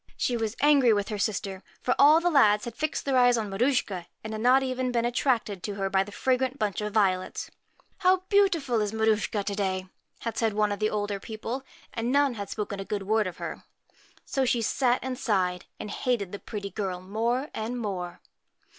She was angry with her sister ; for all the lads had fixed their eyes on Maruschka, and had not even been attracted to her by the fragrant bunch of violets. ' How beautiful is Maruschka PRETTY to day !' had said some of the older people ; and none had spoken a good word of her. So sne sat and sighed, and hated the pretty girl more and more.